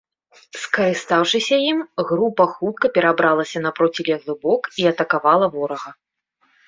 Скарыстаўшыся ім, група хутка перабралася на процілеглы бок і атакавала ворага.